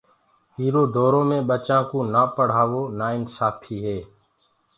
ايٚرو دورو مي ٻچآنٚ ڪو نآ پڙهآوو نآ انسآڦيٚ هي